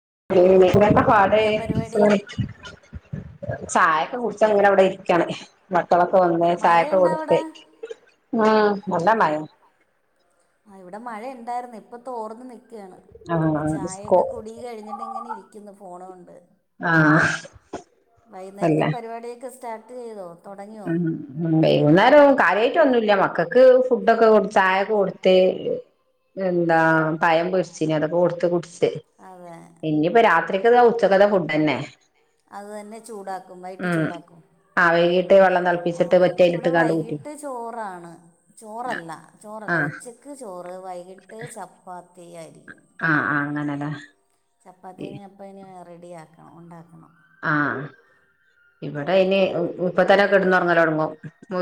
[unintelligible] പാട് എന്താ പരിപാടി [unintelligible] ചായൊക്കെ കുടിച്ചങ്ങനെവിടെ ഇരിക്കാണ്. മ ക്കളൊക്കെ വന്ന് ചായൊക്കെ മഴയുണ്ടോ അവിടെ കൊടുത്ത് നല്ല ആ മയാണ്. ആ ഇവിടെ മഴണ്ടായിർന്ന് ഇപ്പൊ തോർന്ന് നിൽ ക്കാണ് ആ അപ്പ സ്കൂ ചായയൊക്കെ കുടി കഴിഞ്ഞിട്ട് ങ്ങനെ ഇരിക്ക്ന്ന് ഫോണകൊണ്ട്. ആ അല്ല വൈന്നേരത്തെ പരിപാടിയൊക്കെ സ്റ്റാർട്ട് ചെയ്തോ? തുടങ്ങിയോ ഉം ഉം വൈകുന്നേരം കാര്യയിട്ട് ഒന്നുംല്ല മ ക്കക്ക് ഫുഡൊക്കെ കൊടു ചായൊക്കെ കൊടുത്തേ എന്താ പയം പൊരിച്ചിന അതൊക്കെ കൊടുത്ത കുടി അതെ ഇനിപ്പ രാത്രിക്ക്താ ഉച്ചക്കത ഫുഡ് തന്നെ. അതു തന്നെ ചൂടാക്കും വൈട്ട് ചൂടാക്കും. ട്ടെ വെള്ളം തെൾ നമുക്കിവിടെ വൈകിട്ട് ചോറാണ് ചോറല്ല ആ ചോറല്ല ഉച്ചക്ക് ചോറ്, വൈകിട്ട് ചപ്പാത്തിയായിരിക്കും അ ഹ് ചപ്പാത്തിനെ അപ്പന് റെഡിയാക്കണം ഉണ്ടാക്കണം ആഹ ഇവിടെയ്നി ഇപ്പത്തന്നെ കെട്ന്നൊർങ്ങലോട്ങ്ങും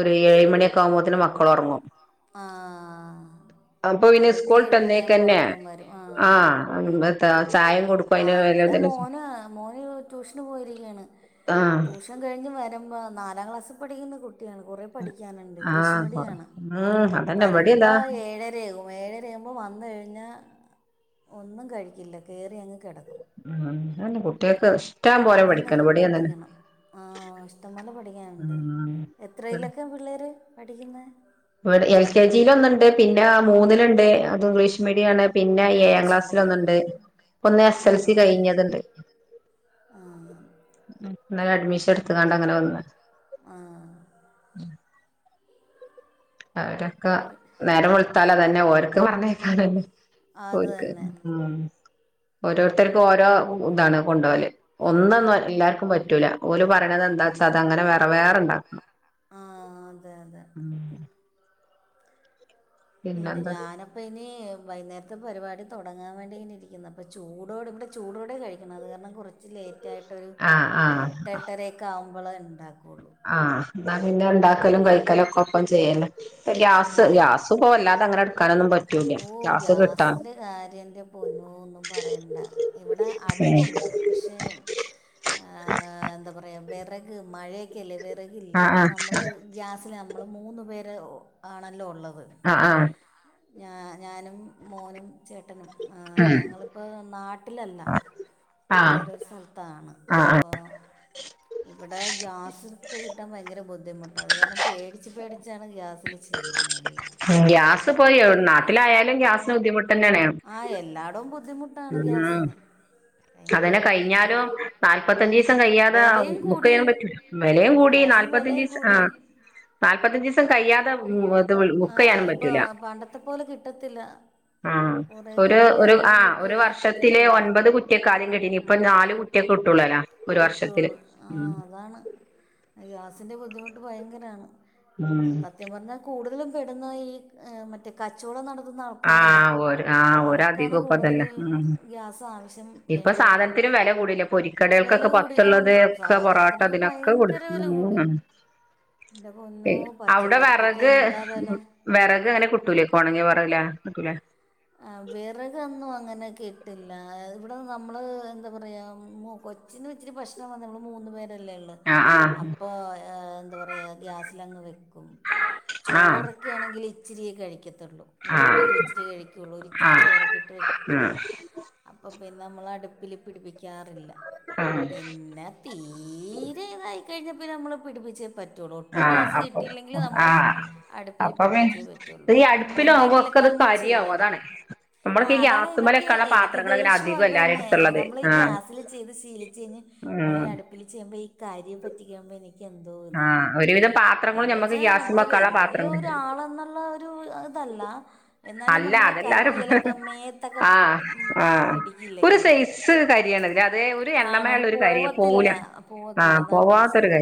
ഒരു ഏഴ് മണിയൊക്കെ ആവുമ്പോത്തന് മക്കളൊർങ്ങും ആഹ അപ്പൊ പിന്നെ സ്കോൾട്ടന്നേക്കന്നെ ഉറക്കം വരും ആ [unintelligible] ആഹ് ഇവിടെ മോന മോന് ട്യൂഷന് പോയിരിക്കയാണ് ആഹ് ട്യൂഷൻ കഴിഞ്ഞ് വരുമ്പോൾ നാലാം ക്ലാസ്സിൽ പഠിക്കുന്ന കു [unintelligible] കുട്ടിയാണ് കൊറേ പഠിക്കാനുണ്ട് ഇംഗ്ലീഷ് ആഹ് കൊറ മീഡിയാണ് ഉം അതന്നെ ഇവിടേം ഇതാ വരമ്പോ ഏഴരയാകും ഏഴരയാകുമ്പോൾ വന്നു കഴിഞ്ഞാ ഒന്നും കഴിക്കില്ല കേറി അങ്ങ് കിടക്കും ഉം അ [unintelligible] കുട്ടികൾക്ക് [unintelligible] പിന്നെ പഠിക്കണം ഇവിടേം അതന്നെ നിർബന്ധിക്കണം ആ ഇഷ്ടം പോലെ പഠിക്കാനുണ്ട് ഉം എത്രയിലക്കെ പിള്ളേര് പഠിക്കുന്നെ ഇവിടെ എൽ കെ ജിൽ ഒന്നുണ്ട് പിന്നെ മൂന്നിലുണ്ട് അത് ഇംഗ്ലീഷ് മീഡിയം ആണ് പിന്നെ ഏഴാം ഇംഗ്ലീഷ് മീഡിയം ആ ക്ലാസ്സിലൊന്നുണ്ട് ഒന്ന് എസ് എസ് എൽ സി ആ ആ ആ കഴിഞ്ഞത്ണ്ട് ആഹ് ഇന്നലെ അഡ്മിഷൻ എടുത്ത കണ്ട് അങ്ങനെ വന്ന് ആ അവരൊക്കെ നേരം വെളുത്താലതന്നെ ഓരക്ക് പറഞ്ഞേക്കാനല്ലേ അത് പോയിരിക്ക് തന്നെ ഉം ഓരോരുത്തർക്കും ഓരോ ഇതാണ് കൊണ്ടോവല് ഒന്നന്നും എല്ലാർക്കും പറ്റൂല ഓല് പറ്റൂല പറയണതെന്താച്ച അതങ്ങനെ വേറെ വേറെ ഇണ്ടാക്കണം ആഹ് അതെ അതെ പിന്നെ പിന്നെന്താ ഞാനപ്പ ഇനി വൈകുന്നേരത്തെ പരിപാടി തുടങ്ങാൻ വേണ്ടി ഇങ്ങനെ ഇരിക്കുന്നു അപ്പ ചൂടോട് ഇവിടെ ചൂടോടെ കഴിക്കണേ അതു കാരണം കുറ ച്ച് ലേറ്റായിട്ടൊരു ആഹ് എട്ട് എട്ടരയൊക്കെ ആവുമ്പളാ ഇണ്ടാക്കൂ ആ എന്നാ പിന്നെ ഇണ്ടാക്കലും കഴിക്കലും ഒക്കെ ഒപ്പം ചെയ്യാലോ ഇപ്പ ഗ്യാസ് അതെ ഗ്യാസ് ഇപ്പോ വല്ലാതെ അങ്ങനെ എടുക്കാനൊന്നും പറ്റൂല ഓ ഗ്യാസ് കിട്ടാൻ ഗ്യാസിൻ്റെ കാര്യം എൻ്റെ പൊന്നോ ഒന്നും പറയണ്ട. ഇവിടെ അടുപ്പുണ്ട് പക്ഷേ ആ എന്താ പറയാ വെറ ക് മഴയൊക്കെ അല്ലേ വിറകില്ല അപ്പോ ആഹ് നമ്മള് ഗ്യാസില് നമ്മള് മൂന്നുപേര് ഒ ആണല്ലോ ഉള്ളത് ആ ആ ഞ ഞാനും മോനും ചേട്ടനും ഞങ്ങളിപ്പോ നാട്ടിലല്ല ആഹ് വേറൊരു സ്ഥലത്താണ് ആഹ് അപ്പോ ഇവിടെ ഗ്യാസ് ക്കെ കിട്ടാൻ ഭയങ്കര ബുദ്ധിമുട്ടാ അത് കാരണം പേടിച്ച് പേടിച്ചാണ് ഗ്യാസ് ഗ്യാസ് പോയ് [unintelligible] നാട്ടിലായാലും ഗ്യാസിന് ബുദ്ധിമുട്ട് തന്നെയാണ് ആ എല്ലാടോം ബുദ്ധിമുട്ടാണ് ഉം ഗ്യാസിന് ഭയങ്കര അതന്നെ ബുദ്ധിമുട്ടാണ് കഴിഞ്ഞാലും നാല്പത്തഞ്ചീസം കയ്യാ തെ വിലയും ബുക്ക് കൂടി ചെയ്യാൻ പറ്റൂല വിലയും കൂടി ഗ്യാസിന് വിലയും നാല്പത്തഞ്ചീസ ആ കൂടി നാല്പത്തിയഞ്ചീസം കയ്യാതെ ആ ഇപ്പൊ പണ്ടത്തെ പോലെ കിട്ടത്തില്ല ആ കുറെ ഒരു കഴിഞ്ഞാ ഒരു നമ്മള് ആ ബു ഒരു വർഷത്തിലെ ഒൻപത് കുറ്റിയൊക്കെ ആദ്യം കിട്ടീന് ഇപ്പൊ നാല് കുറ്റിയൊക്കെ കിട്ടുള്ളോല് കിട്ടു ഒള്ളു ആ അതാണ് ഗ്യാസിൻ്റെ ബുദ്ധിമുട്ട് ഭയങ്കരാണ് ഉം സത്യം പറഞ്ഞാൽ കൂടുതലും പെടുന്ന ഈ മറ്റേ കച്ചവടം നട ത്തുന്ന ആ ആൾക്കാരാണ് ഓര് ആ അവർക്കാണ് ഒരധികം കൂടുതൽ ഇപ്പതന്നെ ഉം ഗ്യാസ് ആവശ്യം വേണ്ടി വരുന്നത് വില കൂടില്ലേ പൊരിക്കട വെല ഒക്കെ കൂടി ആഹ് പുറത്തുള്ളത് ഒക്കെ പൊറാട്ട സാധനത്തിനൊക്കെ ഇതിനൊക്കെ കൂടു ഭയങ്കര വെല മ് കൂടി. മ് ന്റെ പൊന്നോ അവിടെ പച്ചക്കറിക്കൊക്കെ വിറക് എന്താ വെല. വിറക് അങ്ങനെ കിട്ടൂലെ ഒണങ്ങിയ വെറക് നിക്കൂലേ ആ വിറകൊന്നു അങ്ങനെ കിട്ടില്ല. ഇവിടെ നമ്മള് എന്താ പറയാ മു കൊച്ചിനും ഇച്ചിരി പ്രശ്നം വന്നെള്ളൂ മൂന്നുപേര് ല്ലെഇള്ളൂ. ആഹ് അപ്പോ എന്തപറയാ ഗ്യാസിലങ്ങ് വെക് ക്കും ആഹ് ചോറൊക്കെ ആണെങ്കില് ഇച്ചിരിയേ കഴിക്കത്തുള്ളൂ ആഹ് മൂന്ന്പേരും ഇച്ചിരി കഴിക് ത്തുള്ളൂ. ഒരിച്ചിരി ആഹ് ചോറൊക്കെ ഇട്ട് വെക്കും. ആഹ് അപ്പൊ പിന്നെ നമ്മള് അടുപ്പില് പിടിപ്പിക്കാറില്ല. ആഹ് പിന്നെ തീരെ ഇതായിക്കഴിഞ്ഞ പിന്നെ നമ്മള് പിടിപ്പിച്ചേ പറ്റുള്ളൂ. ഒട്ടും ആഹ് ഗ്യാസ് അപ്പൊ കിട്ടിയില്ലെങ്കില് നമ്മള് ആഹ് അടുപ്പില് പിടിപ്പിച്ചേ പറ്റുള്ളൂ. അപ്പ എന്തെങ്കിലൊ ക്കഅത് കരിയാവും അതാണേ ആ അതാണ് എനിക്ക് എനിക്ക് ദേഷ്യവും അധികം അത് എല്ലാരെ തന്നെയാണ് അടുത്തുള്ളത് നമ്മള് ഈ ആഹ് ഗ്യാസില് ചെയ്ത് ശീലിച്ച് കഴിഞ്ഞ് നമ്മള ഈ ഉം അടുപ്പിൽ ചെയ്യുമ്പോ ഈ കരി പറ്റിക്കഴുമ്പോ എനിക്ക് എന്തോ ഇതാണ് ആഹ് ഒരുവിധം പാത്രങ്ങളും എന്ന് ഞമ്മക്ക് വെച്ചാ ഗ്യാസുമ്മെ നമ്മള് വെക്കാള്ള വല്യ പാത്രങ്ങള് ഒരാളെന്നുള്ള ഒരു ഇതല്ല എന്നാലും നമ്മുടെ എല്ലാരും കയ്യിലൊക്കെ പറയു മേത്തൊക്കെ ആ ഉം ആ പിടിക്കില്ല കരിയ ഒരുസൈസ് കരിയാണല്ലെ അത് ഒരു എ ആണത് പോവത്തില്ല പോവത്തില്ല അതാണ് പ്രശ്നം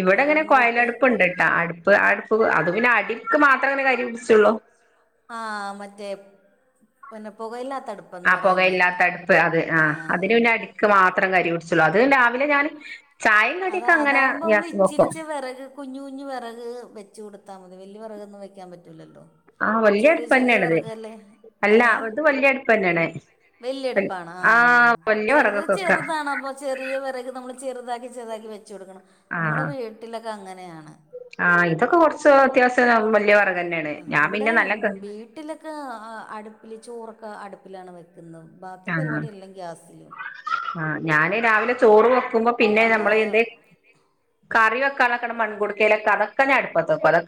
ഇവിടെങ്ങനെ അതുകൊണ്ടിട്ട് കോഴലടുപ്പുണ്ട്ട്ടാ അടുപ്പ് അടുപ്പ് അത് പിന്നെ അടി ക്ക് മാത്രം അങ്ങനെ കരി പിടിച്ചൊള്ളൂ ആ മറ്റേ പിന്നെ പുകയില്ലാ ആ പുകയില്ലാത്ത അടുപ്പ് അത് ആ അതിന് പിന്നെ അടിക്ക് മാ ത്രം കരി പിടിച്ചൊള്ളൂ അത് രാവിലെ ഞാൻ ചായയും അത കടിയൊക്കെ അങ്ങനെ അതാവുമ്പോ നമ്മൾ ഗ്യാസ് വെക്കും ഇച്ചിരിച്ചെ വെറക് കുഞ്ഞ്കുഞ്ഞ് വെറക് വെച്ച് കൊടുത്താ മതി അത് വെല്യ വെറകൊന്നും വെയ്ക്കാൻ പറ്റില്ലല്ലോ ആ വെല്യ അടുപ്പന്നെയണത് അല്ല അത് വെല്യ അടുപ്പന്നെയാണ് വെല്യ അടുപ്പാണ് ആ ആഹ് വല്യ ചെറുത് വിറകൊക്കെ വെക്കാ ചെറുതാണ് അപ്പൊ ചെറിയ വെറക് നമ്മള് ചെറുതാ ചെറുതാക്കി വെച്ച്കൊടുക്കണം. നമ്മടെ വീട്ടിലൊക്കെ അങ്ങനെയാണ് ആ ഇതൊക്കെ കൊറച്ച് അത്യാവശ്യം വെല്യ വെറകന്നെയാണ് ആ ഞാൻ പിന്നെ നെല്ലക്ക അടുപ്പില് ചോറൊക്കെ അടുപ്പിലാണ് വെക്കുന്നത് ബാക്കി ആഹ് പരിപാടി എല്ലം ഗ്യാസിലും ആഹ് ഞാന് രാവിലെ ചോറ് വെക്കുമ്പോ പിന്നെ നമ്മള് എന്ത് അവിടെ കറി വെ കലാക്കണ മൺകുടക്കെലെ കതക്കന്നെ അടുപ്പത്ത വെക്കാ അതു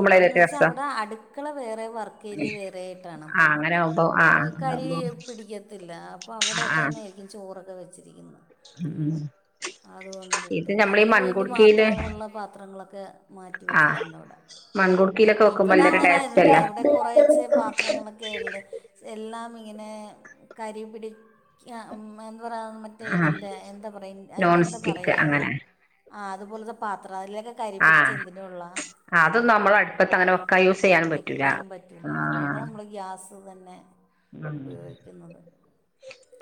ആവന്ന് വെച്ചാ അവിടെ അടുക്കള വേറെ വർക്കേരിയ വേറെ ആയിട്ടാണ് ആഹ് അപ്പൊ അങ്ങനെ ആവുമ്പോ ആഹ് കരി ആഹ് പിടിക്കത്തില്ല അപ്പോ അവിടെ ആഹ് തന്നെയിരിക്കും ചോറൊക്കെ വെച്ചിരിക്കുന്നത് ഉം അതുകൊണ്ടിട്ട് ഇത് നമ്മളീ അതിന് വേണ്ടി മൺകുടുക്കയില് മാത്രമുള്ള പാത്രങ്ങളൊക്കെ ആഹ് മാറ്റിവെച്ചിട്ടുണ്ടവിടെ മൺകുടുക്കിയിലൊക്കെ വെക്കുമ്പോ ഇവിടെ നല്ലൊരു ടേസ്റ്റ് അങ്ങനെയല്ല അല്ലേ ഇവിടെ കോറേച്ചേ പാത്രങ്ങളൊക്കെയിണ്ട് എല്ലാം ഇ ഇങ്ങനെ കരി പിടിക്ക എന്താ പറയ മറ്റേ ആഹ് ഇതിന്റെ എന്താ പറയ നോൺ സ്റ്റിക്ക് അങ്ങനെ ആ അതുപോലത്തെ പാത്രം അതിലൊക്കെ കരി ആ പിടിച്ച് എന്തിനുള്ള അ അത് നമ്മൾ അടുപ്പത്തങ്ങനെ വെക്കായു വെക്കാനും പറ്റൂല്ല അതുകൊണ്ട് നമ്മള് ഗ്യാസ് തന്നെ ഉം ഉപയോഗിക്കുന്നത്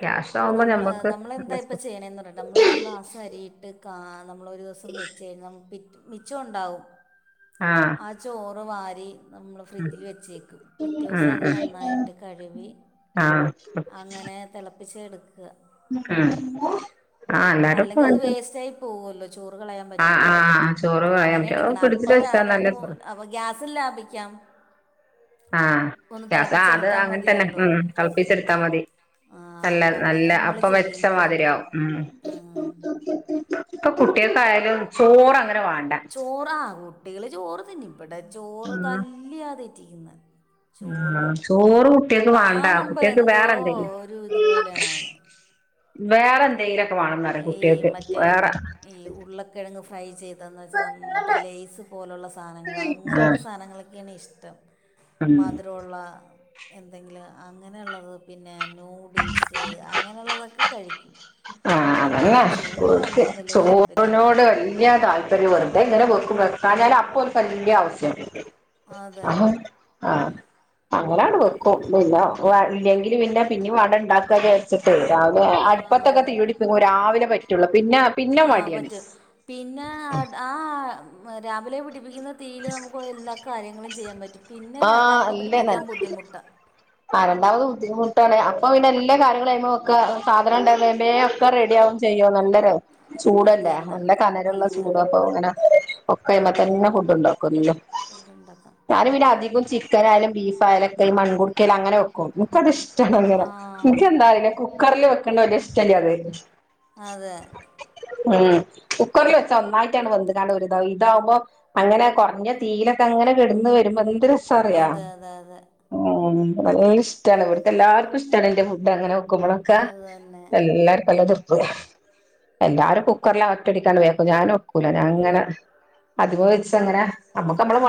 ക്യാഷ് അപ്പൊ ആവുമ്പോ നമ്മ ഞമ്മക്ക് നമ്മളെന്താ ഇപ്പ ചെയ്യണേന്ന് പറയട്ടെ നമ്മൾ ഒരു ഗ്ലാസ് അരിട്ട് കാ നമ്മളൊരു ദിവസം വെച്ചു കഴിഞ്ഞാൽ പിറ്റെ മിച്ചം ഒണ്ടാവും ആഹ് ആ ചോറ് മാ നമ്മള് ഉം ഫ്രിഡ്ജിൽ വെച്ചേക്കും പിറ്റേ ദിവസം അത് നന്നായിട്ട് കഴുവി ആ ഉപ്പച്ചിയാ എടുക്ക്അ [unintelligible] എല്ലാരും കല്ലെങ്കി അത് പോയിട്ട് വേസ്റ്റ് ആയി പോവുഅല്ലോ ചോറ് കളയാൻ ആഹ് പറ്റൂല്ലല്ലോ ആഹ് ചോറ് കളയാൻ അങ്ങനെ പറ്റോ എടുക്കണേ ഫ്രിഡ്ജിൽ അപ്പൊ ര വെച്ചാ നല്ല രണ്ട് മൂ ചോറ് ഗ്യാസും ലാഭി ക്കാം ആ രസ അത് അങ്ങനെ തന്നെ മതിയല്ലോ തെൾപ്പിച്ചെടുത്താ മതി ആഹ് നല്ല അപ്പൊ അങ്ങനെ നല്ല നമ്മള് അപ്പൊ ചെയ്യുന്നത് വെച്ചമാതിരിയാവും മ് ഉം ഇപ്പൊ കുട്ട്യാക്കായാലും ചോറങ്ങ ചോറാ കുട്ടികള് ചോറ് തിന്നും ഇവിടെ ചോറ് ആഹ് തല്ല്യാ തീറ്റിക്ക്ന്നേ ചോറ് ആഹ് ചോറ് കുട്ടികൾക്ക് വാണ്ട കാണ്‌മ്പോ കുട്ടികൾക്ക് എന്തോ വേറെ ഒരു എന്തെങ്കിലും ഇത്പോലെയാണവന് വേറെ എന്തെലൊക്കെ വേണന്ന് പറയും കുട്ട്യാക്ക് മറ്റേ വേറെ ഈ ഉരുളക്കിഴങ്ങ് ഫ്രൈ ചെയ്തതെന്ന് വെച്ചാൽ മറ്റേ ലേസ് പോലുള്ള സാധനങ്ങൾ അങ്ങനെയൊള്ള ആഹ് സാധനങ്ങളൊക്കെയാണ് ഇഷ്ടം ഉം മധ്രൊള്ള എന്തെങ്കിലും അങ്ങനെയൊള്ളത് പിന്നെ നൂഡിൽസ് അങ്ങനെള്ളതൊക്കെ കഴിക്കും ആ ഈ അതന്നെ [unintelligible] ചോറൊന്നും വലിയ താല്പര്യമില്ല ചോറിനോട് വല്യ താല്പര്യം [unintelligible] അപ്പോ ഇങ്ങനെ വെക്കും വെക്കാഞ്ഞാല് അപ്പൊൽക്ക് വല്യ ആവ്സ്യാണ് അതെ അഹ്ആ അങ്ങനാണ്ട് വെക്കും പിന്നെ ഇല്ല്യെങ്കില് പിന്നെ പിന്നിം വേണ്ടേ ണ്ടാക്കാ വെച്ച്ട്ട് രാവ് ലെ അ ആ പ്പത്തൊക്കെ തീയുടിപ്പ് [unintelligible] രാവിലെ കഴി ആ പറ്റും പിന്നെ ആ ആ രാവിലെ പിടിപ്പിക്ക്ന്ന തീയില് നമുക്ക് എല്ലാ കാര്യങ്ങളും ചെയ്യാൻ പറ്റും പിന്നെ ആഹ് രണ്ടാമത് അല്ലേ പ്പിടിപിക്യാൻ ബുദ്ധിമുട്ടാ. ആ രണ്ടാമത് ബുദ്ധിമുട്ടാണ് അപ്പൊ പിന്നെ എല്ലാ കാര്യങ്ങളും അയ്മെ വെക്ക സാധനണ്ടേ വേമ്മ്മ്പേ ഒക്കെ റെഡി ആവും ചെയ് അയ്യോ നല്ലരെ അത് ചൂടല്ലേ തന്നെ നല്ല കനല്ള്ള അതെ ചൂടാപ്പൊ ഇങ്ങന ഒക്കൈമതന്നെ ഫുഡ് ണ്ടാ കൊല്ലം ഫുഡ് ഉണ്ടാക്കാം ഞാന് പിന്നെ അധികും ചിക്കനായാലും ബീഫായാലൊക്കെ ഈ മൺകു [unintelligible] അങ്ങനെ വെക്കും ആ ഇൻകതിഷ്ടാണ്ങ്ങനെ ഇൻകെതാറീല കുക്കർല്ല് വെക്കണ്ടേ വെല്ല്യഷ് ശ്ട്ടല്ല്യത് അതെ ഉം കുക്കർല്ല് വെച്ച ഒന്നായിറ്റാണ്ട് വെന്ത്കാണ്ട് ഒര്തായി ഇതാവുമ്പോ അങ്ങനെ കൊർഞ്ഞ തീലൊക്കെ അ ങ്ങനെ കെട്ന്ന് വെര്മ്പോ ന്ത് രസ അറിയ അതെ അതെ അതെ വല്ല്യ ഇഷ്ടാണ് ഇവ്ട്ത്തെ എല്ലാർക്കും ഇഷ്ട്ടാണ് എന്റെ മുട്ട അങ്ങനെ വെക്കുമ്പളോക്കെ അത് തന്നെ എല്ലാർക്കും നല്ല ത്യ [unintelligible] എല്ലാരും കുക്കറിലറ്റടിക്കാണ്ട് വേമ് വെക്കും ഞാൻ വെക്കൂല ഞാൻ അങ്ങനെ അതിമെ വെച്ചങ്ങനെ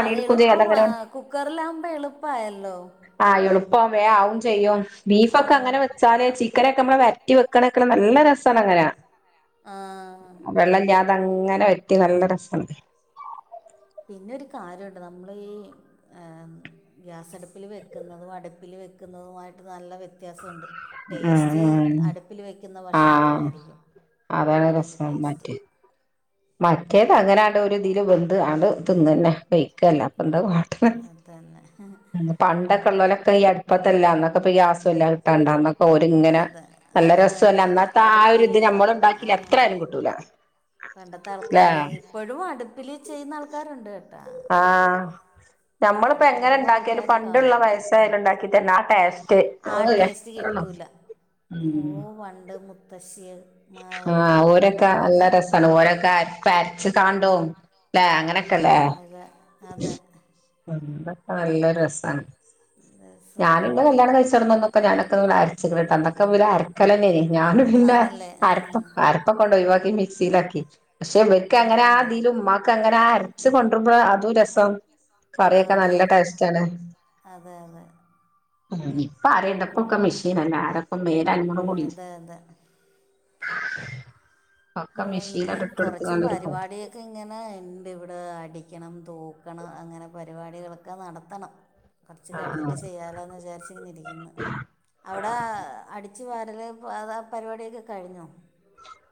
അത് എളുപ്പം ആ കുക്കറ്ലാ വ്മ്പോളുപ്പായല്ലോ. പ്പം വേം ആവുംചെയ്യും ബീഫൊക്കെ ആവും അങ്ങനെ വെച്ചാലെ ചിക്കനെ മ്മള് വര്റ്റി വെക്കണെക്ണെ നല്ല രസാണ്ങ്ങന. ആഹ് അതങ്ങനെ വറ്റി നല്ല രസണ് പിന്നെ ഒരു കാര്യണ്ട് ന്നമ്മള് ഈ ഏ ഗ്യാസ് അട്പില് വെക്ക്ന്നതും അട്പ്പില് വെക്കുന്നതുമായിട്ട് നല്ല വ്യത്യാസൊണ്ട്. ഉം ടേസ്റ്റ് ഉം അട്പ്പില് വെയ്ക്കുന്ന ആഹ് ഭക്ഷണത്തിനായിരിക്കും. അതാണ് കൂടുതൽ രസം ടേസ്റ്റ് മറ്റ് മറ്റേത് അങ്ങനാണ്ട് ഒരു ഇതില് വെന്ത് ആണ്ട് തിന്നന്നെ വെയ്ക്കല്ല പ്പന്താകാ അത് തന്നെ [unintelligible] പണ്ടക്കെ ള്ളോലെ കെ ഈ അട്പ്പത്തെല്ല അന്നൊക്കെപ്പൊ ഗ്യാസല്ലാകിട്ടാണ്ട ഓര്ങ്ങനെ അതെ നല്ല അത് രസൊല്ലെ തന്നെ അന്നത്താ ആ ഒരു അടുപ്പിൽ ഇത് ഞമ്മള് ണ്ടാക്യാല് എത്ര ആലും ആ കിട്ടൂല. പണ്ടത്തെ ല്ലേ ആൾക്കാര് ഇപ്പഴും അട്പ്പില് ചെയ്യ്ന്ന ആൾകൊരോണ്ട് ആ ഞമ്മള്പ്പോ എങ്ങനെ അപൂർവം ണ്ടാക്യാലും ആൾക്കാർ പണ്ട്ള്ള കാണും വയസ്സായോല് ണ്ടാക്കി തെര്നെ ആ ടേസ്റ്റ് [unintelligible] ല്ല ഉം ബഷീറ് ആഹ ഓരൊക്കെ അല്ലരസാണ് കഴിക്കണം ഓരൊക്കെവര്രച്ച് കാണ്ടും ലെ അങ്ങനെ കെലെ അതെ അതെ പണ്ടൊക്കെ നല്ല രസാണ്. രസമാണ് ഞാനിന്നെ കല്ല്യാണം കൈചോട്ന്നപ്പൊക്കെ ഞാനൊക്ക അര്ച്ച്ക്ണ്‌ട അന്നക്കെ വ്‌ല് അരക്കലെന്നെയ്നി. ഞാന് ആണല്ലേ [unintelligible] ആ അരപ്പ്ക്കടൊഴിവാക്കി മിക്സിലാക്കി പഷെ ഇവെര്ക്ക അങ്ങന ആണല്ലേ അതിലും മ്മാക്ക് അങ്ങനെ ആ സ് കൊണ്ട്രുമ്പളുംഅതും രസം. കറിയൊക്കെ അതെ നല്ല ടേസ്റ്റ് ആണ്. അതെ അതെ ഉ ഇപ്പൊ ആരെണ്ടോ പ്പൊക്കെ മിഷീനല്ലെ ആരോക്കും മേലന്ങ്ങ്ണ്കൂടില്ല. അതെ അതെ ആഹ് ഇനി മെഷീനാണ്ട് കൊറച്ച് ഇട്ടൊടുത്ത്കാണ്ട് ഒരു പോ പരിപാടിക്കെ ഇങ്ങനെ ഇണ്ട് ഇവിടെ അടിക്കണം തൂക്കണം അങ്ങനെ പരിപാടികളൊക്കെ നടത്തണം. കൊർച്ച്‌ ആ കയിഞ്ഞിട്ട് ചെയ്യാലോന്ന് വിചാരിച് ഇങ്ങനെ ഇരിക്ന്ന് ആ അവടെ അടി ച് വാരല് പ അതാ ആ പരിപാടിക്കെ കഴിഞ്ഞോ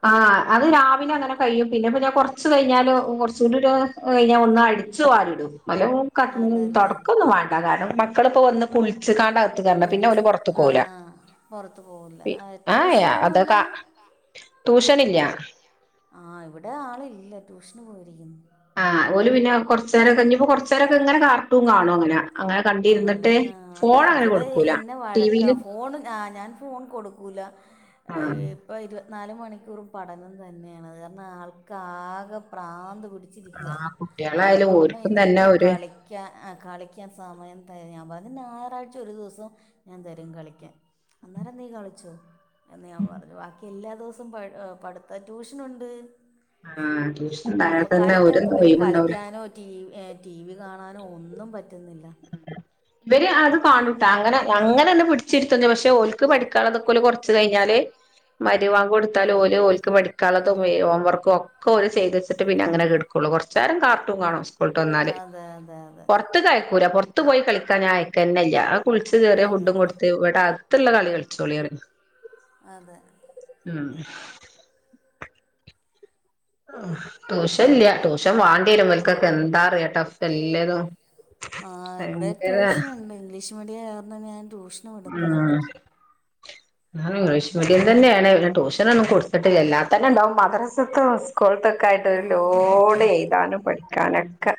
ആഹ് അത് രാവിലെ അങ്ങനെ കഴിയും പിന്നപ്പ ഞ കൊറ്ച് കയിഞ്ഞാല് കൊറചൂടോര് അയിഞ്ഞ ഒന്ന് അടിച്ചു വാരിടും [unintelligible] അതല്ലേ തൊടക്കൊന്നും വാണ്ട കാര്ണം മക്കള്പ്പോ വന്ന് കുളിച് കാണ്ടാ ആഹ് ആഹ് പൊർത്ത് പോവൂല്ല ആ ഏഹ് ട്യൂഷനൊന്നുംല്ല. അതൊക്കെ ട്യൂഷനില്ല ആ ഇവടെ ആളില്ല ട്യൂഷന് പോയിരിക്കു ആഹ് ഓല് പിന്നെ കൊർച്ചേരം നിപ്പോ കൊർച്ചരൊക്കെ ഇങ്ങനെ കാർട്ടും കാണും അങ്ങനെ അങ്ങനെ ആണല്ലേ കണ്ടിരുന്നിട്ട് ആ ഫോൺ അങ്ങനെ ഇവടെ കൊടുക്കൂല എന്നെ വഴക്ക ടിവിയില് ഫോൺ ആ ഞാൻ ഫോൺ കൊടുക്കൂല്ല ആഹ് ഇപ്പ ഇത് നാല് മണിക്കൂറും പഠനം തന്നെയാണ് അത് കാരണം ആൾക്കാകെ പ്രാന്ത് പിടി ആഹ് [unintelligible] കുട്ട്യാളായാലും അമ്മ ഓര്ക്കും തന്നെ എനിക്ക് ഒരു കളിക്കാൻ എ കളിക്കാൻ [unintelligible] ഞാൻ പറഞ്ഞു ഞാറാഴ്ച ഒരു ദിവസം ഞാൻ തരും കളിക്കാൻ അന്നേരം നീ കളിച് ന്ന് ഞാൻ പറഞ്ഞു ബാക്കി എല്ലാ ദിവസവും പപഠിത്ത ട്യൂഷനുണ്ട്. ആഹ് ട്യൂഷൻ ഉണ്ടായാൽ അപ്പൊ തന്നെ കളിക്കൻ ഒരു പുള്ളിക്ക് ഒഴിവുണ്ടാവൂല കളിക്കാനോ ടി വി ഏ ടി വി കാണാ ഒന്നും പറ്റുന്നില്ല. ഇവര് അത് കാണൂട്ട അങ്ങനെ അങ്ങനെന്ന പിടിച്ചിരുത്തു പക്ഷെ ഓല്ക്ക് പഠിക്കാനുള്ളതൊക്കല് കൊർച്ച് കഴിഞ്ഞാല് മരിവാഗ് കൊടുത്താല് ഓല് ഓൽക്ക് പടിക്കാനുള്ളതും ഹോംവർക്കും ഒക്കെ ഓല് ചെയ്ത് വച്ചിട്ട് പിന്നെ അങ്ങനെ കെട്കും. മ്മള് കൊർച്ചേരം കാർട്ടൂ കാണും. സ്കൂൾട്ട് വന്നാല് അതെ അതെ അതെ പൊറത്ത് കയ്ക്കൂല. പൊർത്ത് പോയി കളിക്കാഞാൻ അയക്കന്നല്ല. കുളിച്ച് കേറിയ അതെ ഫുഡും കൊടുത്ത് ഇവടെ അത്തുള്ള കളി കളിച്ചോളി പറി അതെ ട്യൂഷൻ ഇല്ല ട്യൂഷൻ വാണ്ടിരുവൽക്കൊക്കെ എന്താറിയാ ടഫ് എല്ലതും. ആ ഇവിടെ ഭയങ്കര ട്യൂഷന്ണ്ട് ഇംഗ്ലീഷ് മീഡിയം കാരണം ഞാൻ ട്യൂഷന് വിട്ന്ന്ണ്ട്. ഉം ഞാൻ ഇംഗ്ലീഷ് മീഡിയം തന്നെയാണ് ട്യൂഷന ഒന്നും കൊടുത്തിട്ടില്ലല്ലോ അല്ലാതെ തന്നെ ഉണ്ടാവും മദ്രസത്തി സ്കൂളിതെ ക്കായിതാ ആ അതെ ലോഡ് അതെ എഴുതാനും പഠിക്കാനോഒക്കെ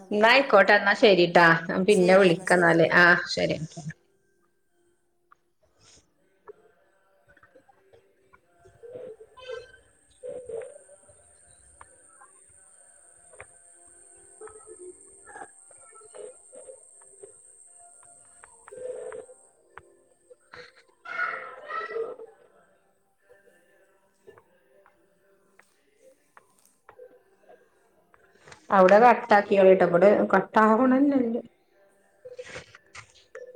അതെ അതെ ന്നായ്ക്കോട്ടെ ന്നാ ശരിട്ടാ ഞാ പിന്നെ ശരി എന്നാൽ ശരി വിളിക്കന്നാല് എന്നാൽ ആഹ് ശരി. [unintelligible] അവടെ കട്ടാക്കിയളിട്ട ഇവടെ കട്ടാവ്ണെഞ്ഞല്ല. [inaudible]